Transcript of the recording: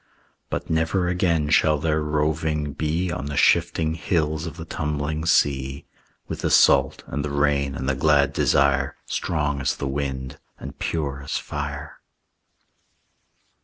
But never again shall their roving be On the shifting hills of the tumbling sea, With the salt, and the rain, and the glad desire Strong as the wind and pure as fire.